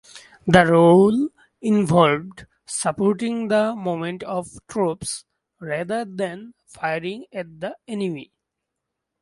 The role involved supporting the movement of troops rather than firing at the enemy.